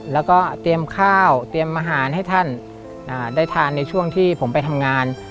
แล้วก็เตรียมข้าวเตรียมอาหารให้ท่านได้ทานในช่วงที่ผมไปทำงาน